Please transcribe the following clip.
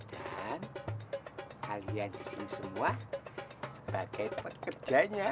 dan kalian disini semua sebagai pekerjanya